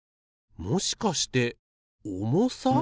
もしかして重さ？